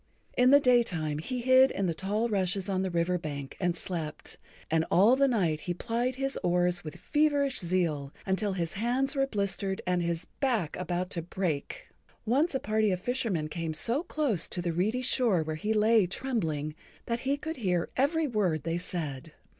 In the daytime he hid in the tall rushes on the river bank and slept, and all the night he plied his oars with feverish zeal, until his hands were blistered and his back about to break. Once a party of fishermen came so close to the reedy shore where he lay trembling that he could hear every word they said.